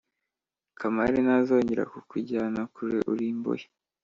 kamari ntazongera kukujyana kure uri imbohe.